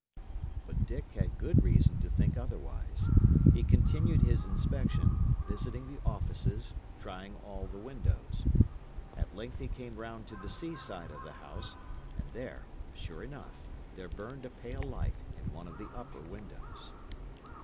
But Dick had good reason to think otherwise. He continued his inspection, visiting the offices, trying all the windows. At length he came round to the sea side of the house, and there, sure enough, there burned a pale light in one of the upper windows.